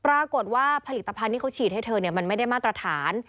ปรากฏว่าผลิตภัณฑ์ที่เขาฉีดให้เธอมันไม่ได้มาตรฐาน